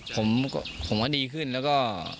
ผมก็ดีขึ้นแล้วก็